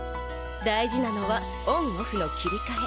大事なのはオンオフの切り替え。